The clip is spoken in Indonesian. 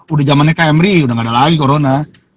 udah zamannya kmry udah gak ada lagi corona